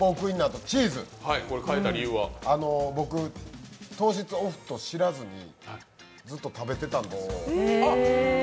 僕、糖質オフと知らずにずっと食べてたんですよ。